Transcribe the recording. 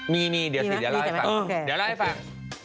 มีนี่เดี๋ยวเล่าให้ฟัง